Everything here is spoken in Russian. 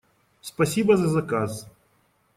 Спасибо за заказ!